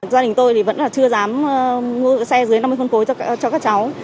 gia đình tôi vẫn chưa dám mua xe dưới năm mươi cm khối cho các cháu